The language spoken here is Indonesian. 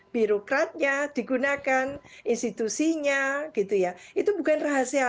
birokratnya digunakan institusinya itu bukan rahasia lagi